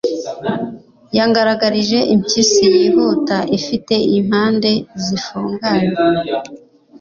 yangaragarije impyisi yihuta ifite impande zifunganye